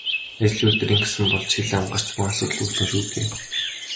Ажлын өдөр ингэсэн бол ч хэл ам гарч бөөн асуудал үүснэ шүү дээ.